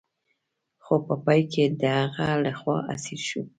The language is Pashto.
خو په پای کې د هغه لخوا اسیر شو.